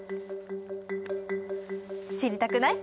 知りたくない？